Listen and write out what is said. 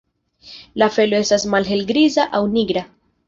La felo estas malhelgriza aŭ nigra.